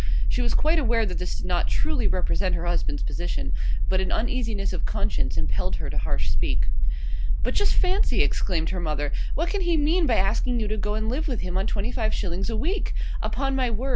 She was quite aware that this did not truly represent her husband's position. But an uneasiness of conscience impelled her to harsh speech. 'But just fancy!' exclaimed her mother. 'What can he mean by asking you to go and live with him on twenty five shillings a week? Upon my word.